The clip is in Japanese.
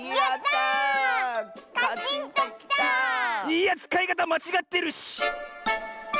いやつかいかたまちがってるし！